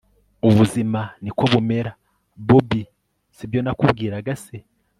ubuzima niko bumera! bobi sibyo nakubwiraga se